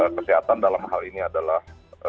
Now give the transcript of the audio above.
kesehatan dalam hal ini adalah